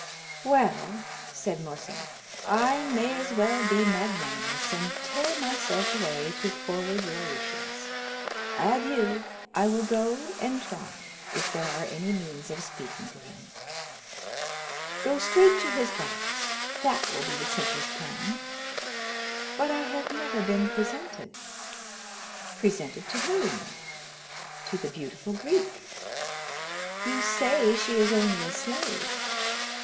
"Well," said Morcerf, "I may as well be magnanimous, and tear myself away to forward your wishes. Adieu; I will go and try if there are any means of speaking to him." "Go straight to his box; that will be the simplest plan." "But I have never been presented." "Presented to whom?" "To the beautiful Greek." "You say she is only a slave?"